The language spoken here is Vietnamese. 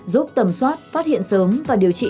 giúp tầm soát phát hiện sớm và điều trị